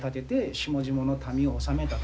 下々の民を治めたと。